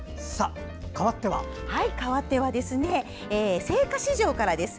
かわっては青果市場からです。